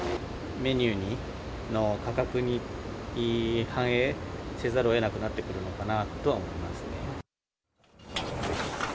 メニューの価格に反映せざるをえなくなってくるのかなとは思いますね。